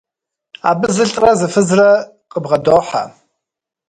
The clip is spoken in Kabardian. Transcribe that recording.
Абы зылӏрэ зы фызрэ къыбгъэдохьэ.